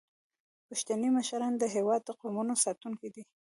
پښتني مشران د هیواد د قومونو ساتونکي دي.